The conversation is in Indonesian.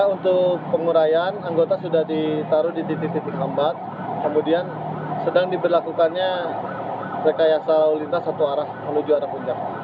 untuk pengurayan anggota sudah ditaruh di titik titik hambat kemudian sedang diberlakukannya rekayasa lalu lintas satu arah menuju arah puncak